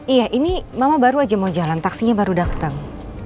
iya ini mama baru aja mau jalan taksinya baru datang